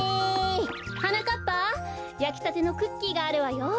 はなかっぱやきたてのクッキーがあるわよ。